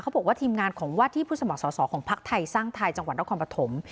บอกว่าทีมงานของวาดที่ผู้สมัครสอสอของพักไทยสร้างไทยจังหวัดนครปฐม